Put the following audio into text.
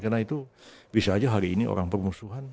karena itu bisa aja hari ini orang bermusuhan